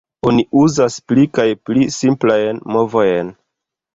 Oni uzas pli kaj pli simplajn movojn.